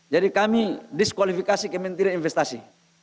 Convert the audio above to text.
jadi kami diskualifikasi kementerian investasi